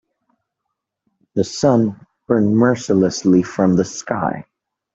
The sun burned mercilessly from the sky.